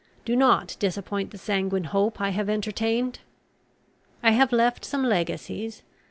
Do not disappoint the sanguine hope I have entertained! "I have left some legacies.